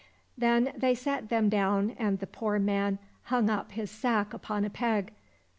Then they sat them down, and the poor man hung up his sack upon a peg.